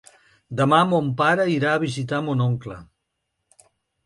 Demà mon pare irà a visitar mon oncle.